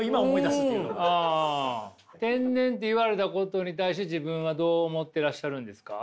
天然って言われたことに対して自分はどう思ってらっしゃるんですか？